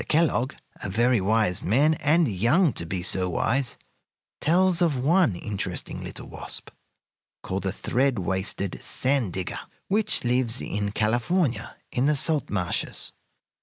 Kellogg, a very wise man, and young to be so wise, tells of one interesting little wasp, called the thread waisted sand digger, which lives in California in the salt marshes.